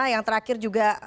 yang terakhir juga